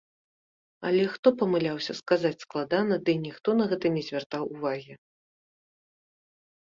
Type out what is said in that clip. Але хто памыляўся, сказаць складана, дый ніхто на гэта не звяртаў увагі.